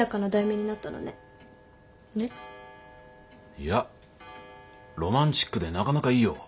いやロマンチックでなかなかいいよ。